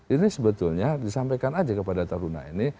ini sebetulnya disampaikan aja kepada taruna ini